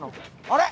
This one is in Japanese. あれ？